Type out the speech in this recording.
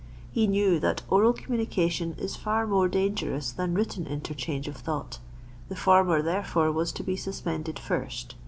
He knew that oral communication is far more dangerous than written interchange of thought; the former therefore was to be suspended first.